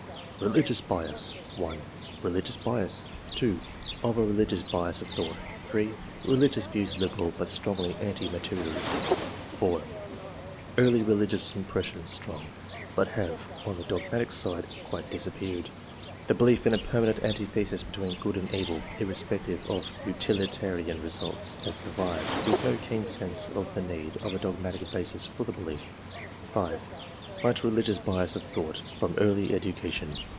"] Religious bias. — 1. Religious bias." 2. '* Of a religious bias of thought." 3. '* Religious views liberal, but strongly anti materialistic." 4. '^ Early religious impressions strong, but have, on the dogmatic side, quite disappeared. The belief in a permanent antithesis between good and K 2 132 ENGLISH MEN OF SCIENCE. [chap. evil, irrespective of utilitarian results, has sur vived, with no keen sense of the need of a dogmatic basis for the belief/' 5. "Much re lio ious bias of thought from early education."